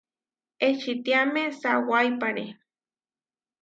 Ečitiáme sawáipare.